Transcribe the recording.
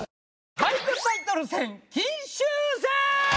「俳句タイトル戦金秋戦」！